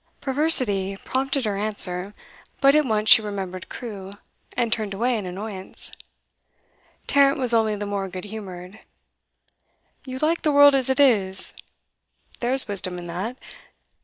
Perversity prompted her answer, but at once she remembered Crewe, and turned away in annoyance. Tarrant was only the more good humoured. 'You like the world as it is? There's wisdom in that.